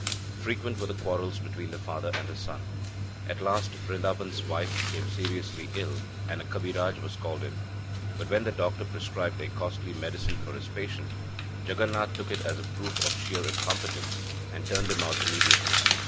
Frequent were the quarrels between the father and the son. At last Brindaban's wife became seriously ill and a kabiraj was called in. But when the doctor prescribed a costly medicine for his patient, Jaganath took it as a proof of sheer incompetence, and turned him out immediately.